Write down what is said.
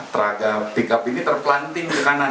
traga pickup ini terpelantin ke kanan